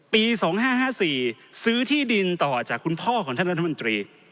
ปี๒๕๕๔ซื้อที่ดินต่อจากคุณพ่อของท่านรัฐมนตรี